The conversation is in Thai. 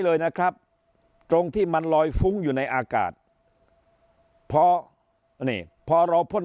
เลยนะครับตรงที่มันลอยฟุ้งอยู่ในอากาศพอนี่พอเราพ่น